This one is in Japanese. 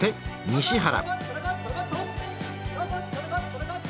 西原。